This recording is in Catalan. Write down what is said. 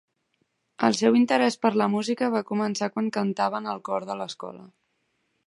El seu interès per la música va començar quan cantava en el cor de l'escola.